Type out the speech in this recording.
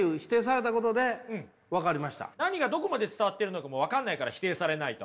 何がどこまで伝わってるのかも分かんないから否定されないと。